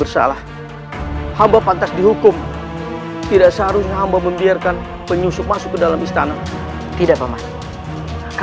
sampai jumpa di video selanjutnya